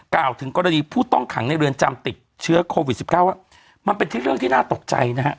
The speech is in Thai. กล่าวถึงกรณีผู้ต้องขังในเรือนจำติดเชื้อโควิด๑๙ว่ามันเป็นที่เรื่องที่น่าตกใจนะฮะ